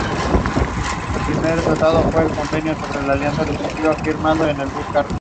Es hermano del futbolista Colombiano Luis Alberto Núñez y primo de Alexis Henríquez.